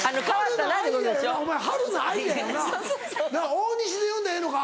大西で呼んでええのか？